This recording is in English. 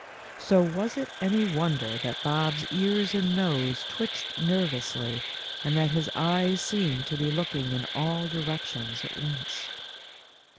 So was it any wonder that Bob's ears and nose twitched ner vously and that his eyes seemed to be looking in all directions at once